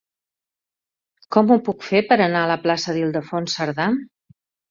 Com ho puc fer per anar a la plaça d'Ildefons Cerdà?